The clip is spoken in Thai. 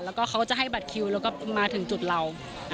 แล้วก็เขาจะให้บัตรคิวแล้วก็มาถึงจุดเรา